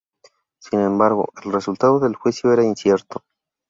Sin embargo, el resultado del juicio era incierto.